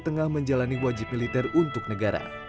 tengah menjalani wajib militer untuk negara